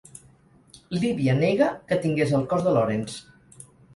Líbia nega que tingués el cos de Lorence.